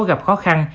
gặp khó khăn